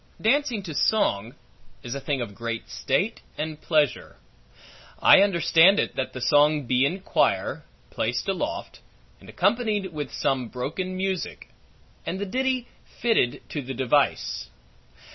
Dancing to song, is a thing of great state and pleasure. I understand it, that the song be in quire, placed aloft, and accompanied with some broken music; and the ditty fitted to the device.